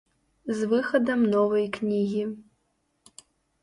З выхадам новай кнігі.